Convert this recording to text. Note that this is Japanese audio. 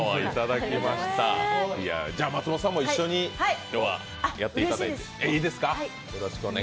松本さんも一緒に今日はやっていただいて。